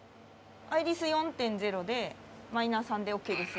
アイリス４．０でマイナー３でオッケーです。